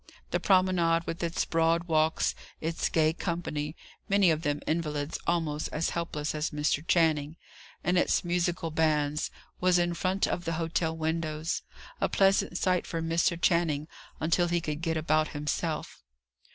The promenade, with its broad walks, its gay company (many of them invalids almost as helpless as Mr. Channing), and its musical bands, was in front of the hotel windows; a pleasant sight for Mr. Channing until he could get about himself.